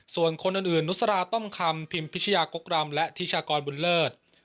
ส่วนคนอื่นนุษราต้อมคำพิมพิชยากกรำและธิชากรบุญเลิศ